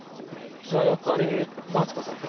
じゃあやっぱり夏子さんと。